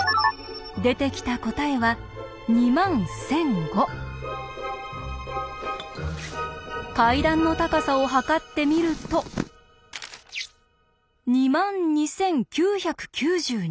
出てきた答えは階段の高さを測ってみると２万２９９２。